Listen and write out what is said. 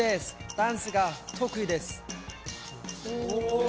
ダンスが得意です。